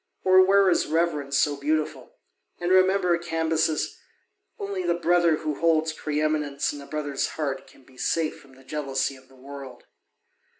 Or where is reverence so beautiful? And remember, Cambyses, only the brother who holds pre eminence in a brother's heart can be safe from the jealousy of the world.